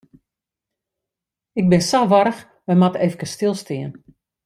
Ik bin sa warch, wy moatte efkes stilstean.